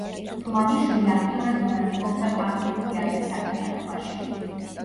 თუმანიშვილი აქტიურად მონაწილეობდა ქართული თეატრის საქმიანობაში.